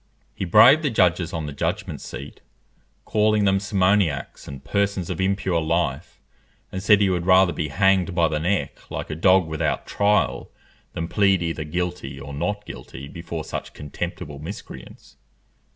He braved the judges on the judgment seat, calling them simoniacs and persons of impure life, and said he would rather be hanged by the neck like a dog without trial, than plead either guilty or not guilty before such contemptible miscreants.